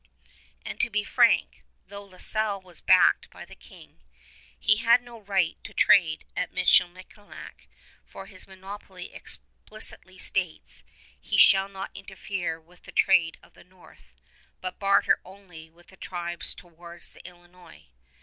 And to be frank, though La Salle was backed by the King, he had no right to trade at Michilimackinac, for his monopoly explicitly states he shall not interfere with the trade of the north, but barter only with the tribes towards the Illinois.